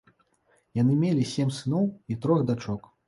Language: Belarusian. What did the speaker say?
Яны мелі сем сыноў і трох дачок.